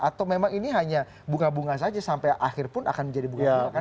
atau memang ini hanya bunga bunga saja sampai akhir pun akan menjadi bunga bunga